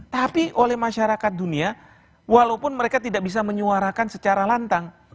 tapi oleh masyarakat dunia walaupun mereka tidak bisa menyuarakan secara lantang